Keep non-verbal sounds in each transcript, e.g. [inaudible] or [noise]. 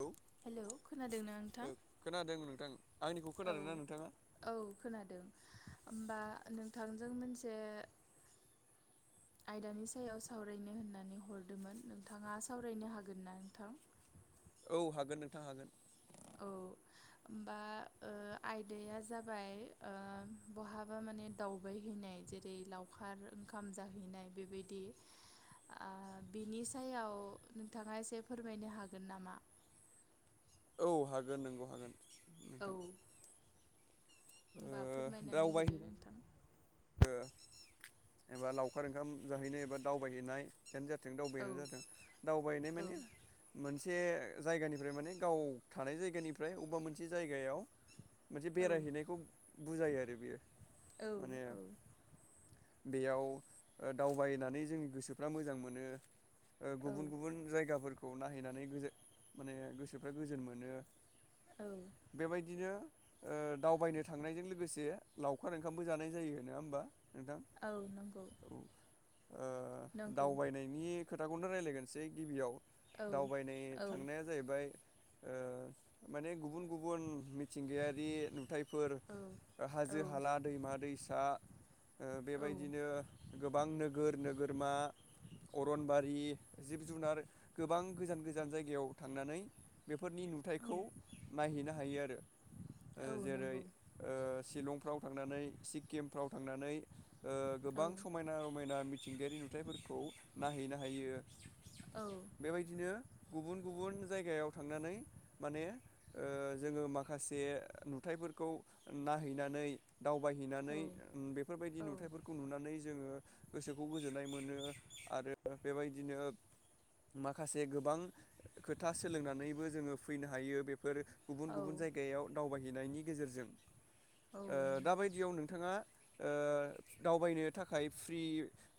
औ हेलौ खोनादोंना ओ नोंथां? खोनादों नोंथां आंनिखौ औ खोनादोंना नोंथाङा औ खोनादों होमबा नोंथांजों मोनसे आयदानि सायाव सावरायनो होननानै हरदोंमोन नोंथाङा सावरायनो हागोनना नोंथां? [unintelligible] औ हागोन नोंथां हागोन। औ होमबा ओ आयदाया जाबाय ओ बहाबा मा ने दावबाय हैैनाय जेरै लावखार ओंखाम जाहैनाय बेबायदि ओ बिनि सायाव नोंथाङा एसे फोरमायनो हागोन नामा? [inaudible] औ हागोन नंगौ हागोन। औ नोंथां ओ होमबा फोरमायनानै होदो दावबायहैनाय नोंथां। ओ एबा लावखार ओंखाम जाहैनो एबा दावबायहैनाय बेनो जा जों औ दावबायानो जाथों दावबायनाय औ माने मोनसे जायगानिफ्राय माने गाव थानाय जायगानिफ्राय अबेबा मोनसे जायगायाव मोनसे औ बेरायहैनायखौ बुजायो आरो बेयो माने औ बेयाव दावबायनानै जोंनि गोसोफ्रा मोजां मोनो ओ औ गुबुन औ गुबुन जायगाफोरखौ नायहैनानै गोजो माने गोसोफ्रा गोजोन मोनो। औ बेबायदिनो ओ दावबायनो थांनायजों लोगोसे लावखार ओंखामबो जानाय जायो नङा होमबा। नोंथां। औ नंगौ औ ओ नंगौ दावबायनायनि खोथाखौनो रायलायगोनसै गिबियाव औ दावबायनाय औ थांनाया जाहैबाय ओ माने गुबुन गुबुन मिथिंगायारि नुथाय फोर औ हाजो हाला दैमा दैसा ओ औ बेबायदिनो गोबां नोगोर नोगोरमा अरनबारि जिब जुनार गोबां गोजान गोजान जायगायाव थांनानै फोरनि नुथायखौ नायहैनो हायो आरो। ओ औ जेरै नंगौ ओ शिलंफ्राव थांनानै, सिक्किमफ्राव थांनानै ओ औ गोबां समायना रमायना मिथिंगायारि नुथायाइफोरखौ नायहैनो हायो। बेबायदिनो गुबुन गुबुन जायगायाव थांनानै माने ओ जोङो माखासे नुथायफोरखौ नायहैनानै औ दावबायहैनानै बेफोरबायदि नुथाइफोरखौ नुनानै जोङो गोसोखौ गोजोननाय मोनो आरो बेबायदिनो माखासे गोबां खोथा सोलोंना नैबो जोङो फैनो हायो बेफोर गुबुन औ गुबुन जायगायाव दावबायहैनायनि गेजेरजों। औ ओ नंगौ दाबायदियाव नोंथाङा ओ [inaudible] दावबायनो थाखाय फ्रि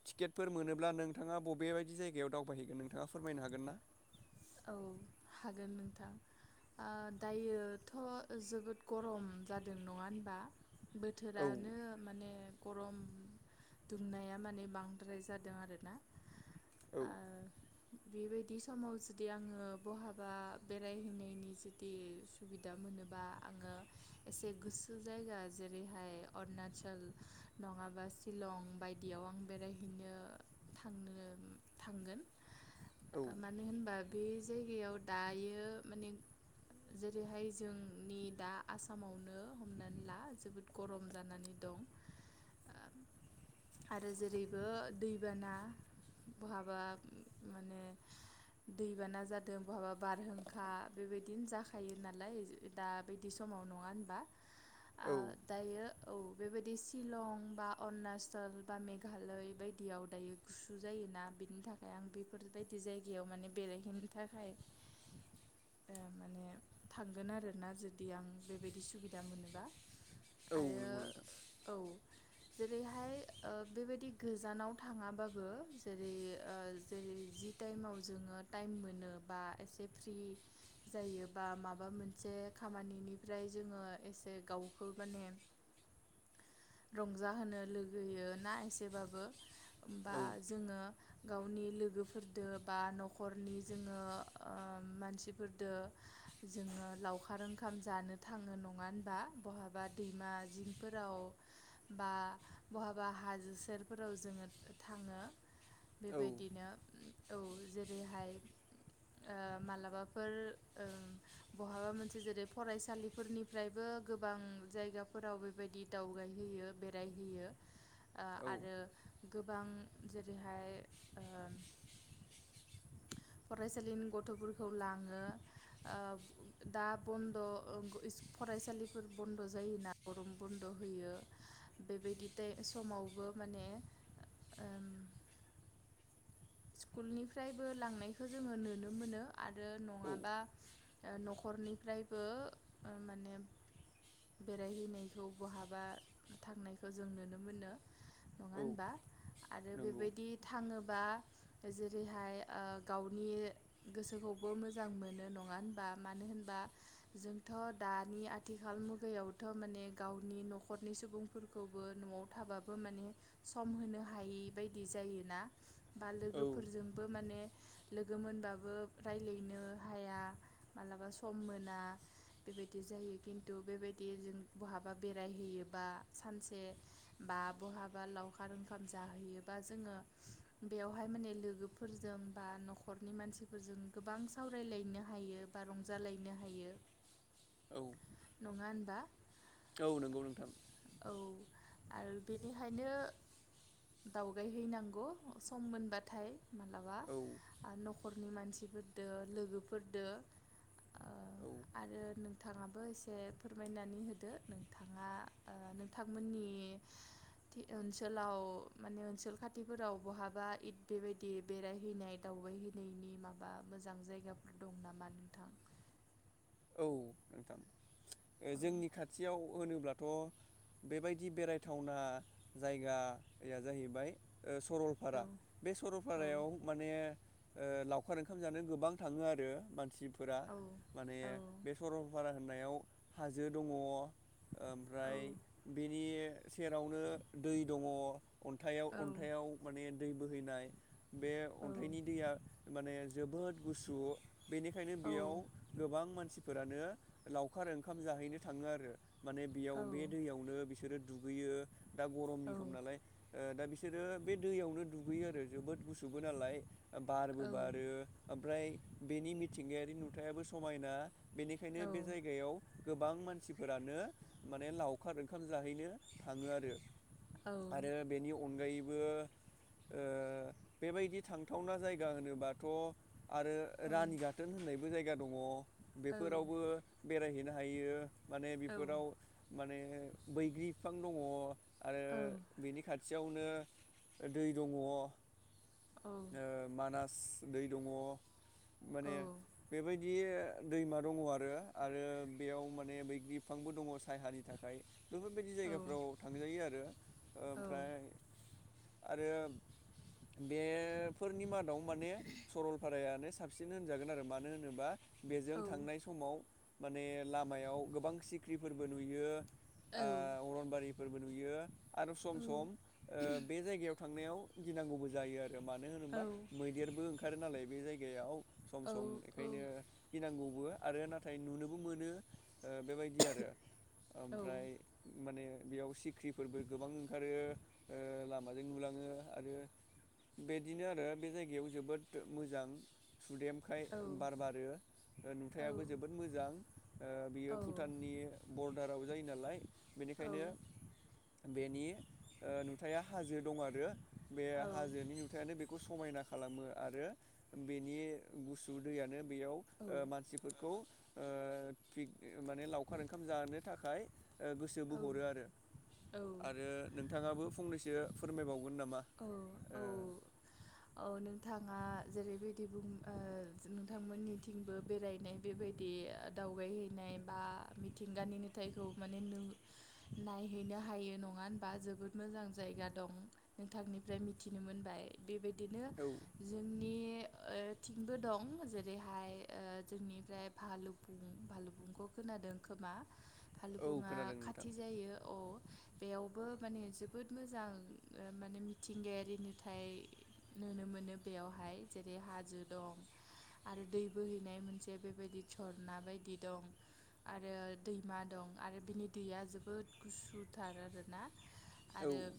टिकेटफोर मोनोब्ला नोंथाङा बबेबायदि जायगायाव दावबायहैगोन नोंथाङा? फोरमायनो हागोन ना? औ हागोन नोंथां। आ दायोथ' जोबोद गरम जादों नङा होनबा औ बोथोरानो माने ग'रम, दुमनाया माने बांद्राय जादों आरोना? औ आ बेबायदि समाव जो जुदि आङो बहाबा बेरायहैनायनि जुदि सुबिदा मोनोबा आङो, एसे गुसु जायगा जेरैहाय अरुनााचल नङाबा सिशिलं बायदियाव, औ आं बेरायहैनो थां थांगोन औ मानो होनबा, बे जायगायाव दायो माने, जेरैहाय जोंनि दा आसामावनो हमनानै ला जोबोद गरम जानानै दं। दं आरो जेरैबो दैबाना, बहाबा माने, दैबाना जादों बहाबा बारहुंखा बेबायदिनो जाखायो नालाय दा बिदि समावनो, नङा होनबा औ ओ दायो। औ बेबायदि सिलं बा अरुणाचल बा मेघालय बायदियाव दायो गुसु जायो। जायोना बिनि थाखाय आं बेफोरबायदि जायगायाव माने बेरायहैनो थाखाय, माने थांगोन आरोना जुदि आं बेबायदि सुबिदा मोनोबा, औ नंगौ नोंथां आरो औ जेरैहाय, ओ बेबायदि गोजानाव थाङाबाबो जेरै जेरै जि टाइमाव जोङो, टाइम मोनो बा एसे फ्रि जायो बा माबा मोनसे खामानिनिफ्राय, जोङो एसे गावखौ माने, रंजाहोनो लुगैयो ना एसेबाबो, बा औ जोङो गावनि लोगोफोरजों बा न'खर, हरनि जोङो ओ मानसिफोरदो जोङो लावखार ओंखाम जानो, थाङो नङा होनबा बहाबा दैमा जिंफोराव बा बहाबा, हाजो सेरफोराव जोङो थाङो औ बेबायदिनो औ जे बेहाय ओ मालाबाफोर ओ बहाबा मोनसे जेरै फरायसालिफोरनिफ्रायबो, गोबां जायगाफोराव बेबायदि दावगाहोयो बेरायहोयो। औ आरो गोबां जेरैहाय ओ फरायसालिनि गथ'फोरखौ लाङो दा बन्द' इस फरायसालिफोर बन्द' जायोना गरुम बन्द' होयो बेबायदि समावबो, माने ओ स्कुलनिफ्रायबो लांनायखौ जोङो नुनो मोनो आरो औ नङाबा, ओ न'खरनिफ्रायबो ओ माने, बेरायहैनायखौ बहाबा थांनायखौ जों नुनो मोनो, नङा औ होनबा आरो नंगौ बेबायदि थाङोबा, जेरैहाय ओ गावनि गोसोखौबो मोजां मोनो नङा होनबा मानो होन होनबा जोंथ' दानि आथिखाल मुगायावथ' माने गावनि न'खरनि सुबुं, फोरफोरखौबो न'आव थाबाबो माने सम होनो हायि बायदि जायोना? बा औ लोगोफोरजोंबो माने लोगो मोनबाबो रायज्लायनो हाया मालाबा सम मोना बेबायदि, जायो खिनथु बेबायदि जों बहाबा बेराय हैयोबा सानसे बा बहा बा लावखार ओंखाम जाहैयोबा जोङो। बेवहाय माने लोगोफोरजों बा न'खरनि मानसिफोरजों गोबां सावरायलायनो हायो बा बा रंजालायनो हायो औ नङा होनबा, औ नंगौ नोंथां, औ आरो बेनिखायनो दावगाय हैैनांगौ सम मोनबाथाय, मालाबा औ आ न'खरनि मानसिफोरदो लोगोफोरदो, ओ औ आरो नोंथाङाबो एसे फोरमायनानै होदो नोंथाङा ओ नोंथांमोननि थि ओनसोलाव माने ओनसोल खाथिफोराव बहाबा इद बेबायदि बेरायहैनाय दावबायहैनायनि माबा मोजां जायगाफोर दं नामा? बा नोंथां औ नोंथां औ जोंनि खाथियाव होनोब्लाथ' बेबायदि बेरायथावना जायगाया जाहैबाय ओ औ सरलपारा बे औ सरलपारायाव माने ओ लावखार ओंखाम जानो गोबां थाङो आरो मानसि औ औ सरलपारा होननायाव हाजो दङ ओमफ्राय बेनि सेरावनो दै दङ अन्थायाव औ अन्थायाव माने दै बोहैनाय बे औ अन्थाइनि दैया माने जोबोद गुसु। बेनिखायनो औ बेयाव गोबां मानसिफोरानो लावखार ओंखाम जाहैनो थाङो आरो माने बेयाव औ औ बे दैयावनो बिसोरो दुगैयो दा गरमनि सम नालाय। ओ दा बिसोरो बे दैयावनो दुगैयो आरो जोबोद गुसुबो नालाय। बारबो औ बारो ओमफ्राय बेनि मिथिंगायारि नुथायाबो समायना। बेनिखायनो बे औ जायगायाव गोबां मानसिफोरानो माने लावखार ओंखाम जाहैनो थाङो आरो। आरो बेनि अनगायै बो ओ बेबायदि थांथावना जायगा होनोबाथ' आरो रानि गाथोन होननायबो जायगा दङ बेफोरावबो बेरायहैनो हायो। माने बेफोराव माने बैग्रि बिफां दङ आरो बेनिखायनो खाथियावनो दै दङ ओ मानास दै दङ माने बेबायदि ओ दैमा दङ आरो आरो बेयाव माने बैग्रि बिफांबो दङ सायहानि थाखाय बेफोरबायदि जायगाफ्राव थांजायो आरो ओमफ्राय आरो बेफोरनि मादाव माने सरलपारायानो साबसिन होनजागोन आरो मानो होनोबा बेजों थांनाय समाव माने लामायाव गोबां सिख्रिफोरबो नुयो। ओ अरनबारिफोरबो नुयो आरो सम सम बे जायगायाव थांनायाव गिनांगौबो जायो आरो मानो होनोबा मैदेरबो ओंखारो नालाय बे जायगायाव। सम सम बेखायनो गिनांगौबो आरो नाथाय नुनोबो मोनो। ओ बेबायदि आरो ओमफ्राय माने बेयाव सिख्रिफोरबो गोबां ओंखारो ओ लामाजों नुलाङो आरो बिदिनो आरो बे जायगायाव जोबोद मोजां सुदेमखाय बार बारो ओ नुथायाबो जोबोद मोजां बियो भुटाननि बरदाराव जायो नालाय। औ बेनिखायनो औ बेनि ओ नुथाया हाजो दं आरो बे औ हाजोनि नुथायानो बेखौ स समायना खालामो आरो बेनि गुसु दैयानो बेयाव ओ मानसिफोरखौ ओ माने लावखार ओंखाम जानो थाखाय ओ गोसो औ बोहरो आरो औ आरो नोंथाङाबो फंनैसो फोरमायबावगोन नामा? औ औ औ नोंथाङा जेरैबायदि बुं ओ नोंथांमोननिथिंबो बेरायनाय बेबायदि दावबायहैनाय बा मिथिंगानि नुथाय खौ माने नायहैनो हायो नङा होनबा जोबोद मोजां जायगा दं। नोंथांनिफ्राय मिथिनो मोनबाय बेबायदिनो ओ औ जोंनि थिंबो दं जेरैहाय जोंनिफ्राय भालुफुं भालुफुंखौ खोनादों खोमा? औ भालबुङा खोनादों नोंथां खाथि जायो औ बेयावबो माने जोबोद मोजां ओ माने मिथिंगायारि नुथाय नुनो मोनो बेयावहाय जेरै हाजो दं। आरो दै बोहैनाय मोनसे बेबायदि सरना बायदि दं। आरो दैमा दं आरो बिनि दैया जोबोद गुसुथार आरोना। औ आरो।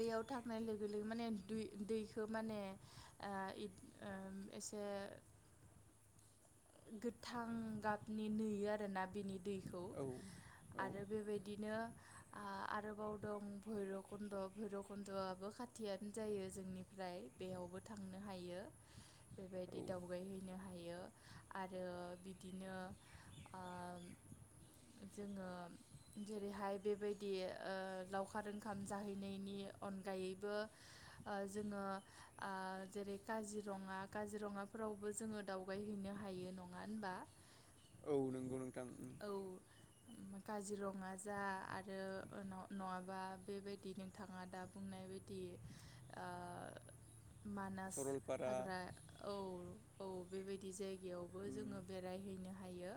बेयाव थांनाय लोगो-लोगो माने दुइ-दैखौ माने ओ इत ओ एसे। ओ गोथां गाबनि नुयो आरोना बिदि। दैखौ औ औ आरो बेबायदिनो आ-आरोबाव दं भैरब। कन्द' भैरबकुन्द'आबो खाथियानो जायो जोंनिफ्राय बेयावबो थांनो हायो। बेबायदि औ दावबायहैनो हायो। यो आरो बिदिनो ओ। जोङो जेरैहाय बेबायदि ओ लावखार ओं। खाम जाहैनायनि अनगायैबो ओ जोङो ओ जेरै-काजि। रङा काजिरङाफोरावबो जोङो दावबायायहैनो हायो नङा होनबा? औ नंगौ नोंथां। औ काजिरङा जा आरो न-नङाबा। बेबायदि नोंथाङा दा बुंनाय बायदि ओ। मानास सरलपारा हाग्रा औ-औ बेबायदि जाय। गायावबो उम जोङो बेहैनो हायो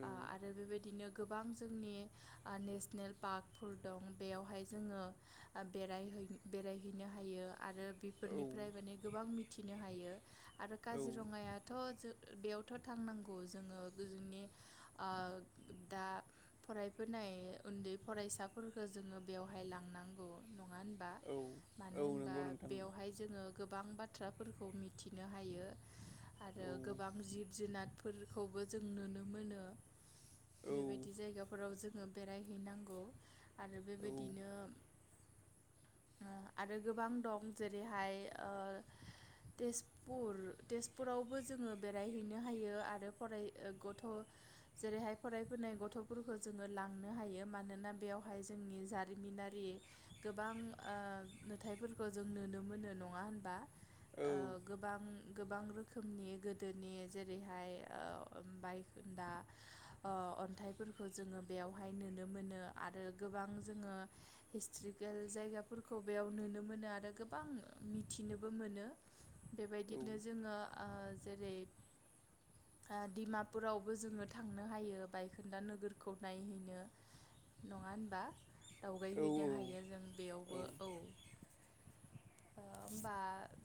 औ आरो बेबायदिनो। गोबां जोंनि ओ नेसनेल पार्कफोर दं बेयावहाय। जोङो बेरायहै- बेरायहैनो हायो आरो औ बेफोरनिफ्राय माने गोबां मिथि। नो हायो आरो औ काजिरङायाथ' जों। बेयावथ' थांनांगौ जोङो जोंनि ओ दा फरायफुनाय। उन्दै फरायसाफोरफोरखौ जोङो। बेवहाय लांनांगौ नङा होनबा? औ मानो औ होनबा नंगौ नोंथां बेवहाय जोङो गोबां बा। थ्राफोरखौ मिथिनो हायो आरो औ गोबां जिब- जुनार। फोरखौबो जों नुनो मोनो औ बेबायदि जायगाफोराव जोङो। बेरायहैनांगौ आरो औ बेबायदि। आरो गोबां दं जेरैहाय ओ। तेजपुर-तेजपुरावबो जोङो बेरायहैनो हायो आरो फराय गथ'। जेरैहाय फरायफोनाय गथ'फोरखौ जोङो लांनो हायो मानोना बेयावहाय जोंनि जा। रिमिनारि गोबां ओ नुथायाइफोरखौ जों नुनो मोनो नङा होनबा? ओ गोबां। गोबां रोखोमनि गोदोनि जेरैहाय ओ बायखोन्दा। ओ अन्थाइफोरखौ जोङो बेयावहाय नुनो मोनो आरो गोबां। जोङो हिस्ट्रिकेल जायगाफोरखौ बियाव नुनो मोनो आरो गोबां मिथिनोबो मो। नो बेबायदिनो जोङो ओ जेरै। ओ डिमापुरावबो जोङो थांनो हायो बायखोन्दा नोगोरखौ नायहैनो। नङा होनबा? दावबायहैनो औ हायो जों बेयावबो औ। होमबा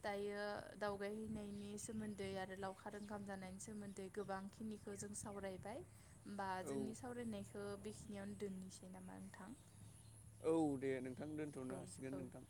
दायो दावबायहैनायनि सोमोन्दै आरो लावखार ओंखाम जानायनि सोमोन्दै। गोबांखिनिखौ जों सावरायबाय। होमबा औ जोंनि सावरायनायखौ बेखिनियावनो दोननिसै नामा नोंथां? औ दे नोंथां दोनथ'नो औ हासिगोन औ नोंथां।